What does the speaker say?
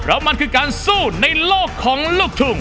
เพราะมันคือการสู้ในโลกของลูกทุ่ง